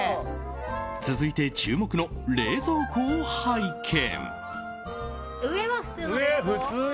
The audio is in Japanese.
続いて、注目の冷蔵庫を拝見。